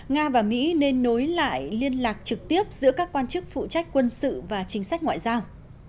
nga và mỹ nên nối lại liên lạc trực tiếp giữa các quan chức phụ trách quân sự và chính sách ngoại giao